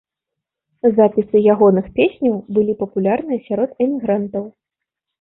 Запісы ягоных песняў былі папулярныя сярод эмігрантаў.